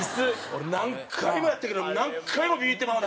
俺何回もやったけど何回もビビってまうねん最後。